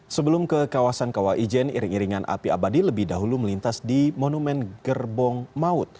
sebelum ke kawasan kawaijen iring iringan api abadi lebih dahulu melintas di monumen gerbong maut